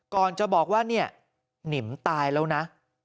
ก่อนจะบอกว่าเนี่ยหนิมตายแล้วนะ